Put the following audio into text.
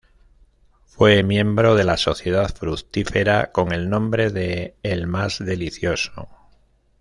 Fue miembro de la Sociedad Fructífera con el nombre de "el más delicioso".